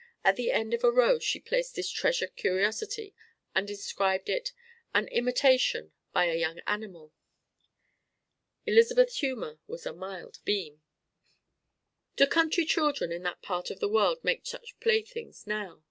At the end of a row she placed this treasured curiosity, and inscribed it, "An Imitation by a Young Animal." Elizabeth's humor was a mild beam. Do country children in that part of the world make such playthings now?